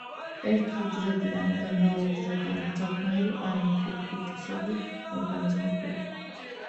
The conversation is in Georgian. ერთუჯრედიანი და მრავალუჯრედიანი ძაფნაირი ან ფირფიტისებრი ორგანიზმებია.